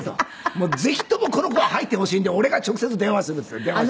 「もうぜひともこの子は入ってほしいんで俺が直接電話する」って電話したの。